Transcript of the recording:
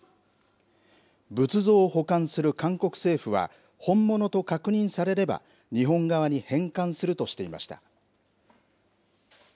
仏像を保管する韓国政府は本物と確認されれば日本側に返還するとしていました。